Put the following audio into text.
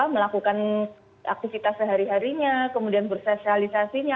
melakukan aktivitas sehari harinya kemudian bersosialisasinya